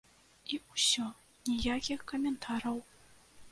І ўсё, ніякіх каментараў.